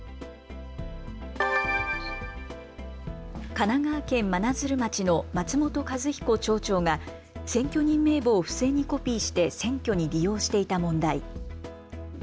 神奈川県真鶴町の松本一彦町長が選挙人名簿を不正にコピーして選挙に利用していた問題。